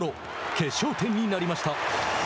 決勝点になりました。